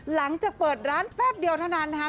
หลังจากเปิดร้านแป๊บเดียวเท่านั้นนะคะ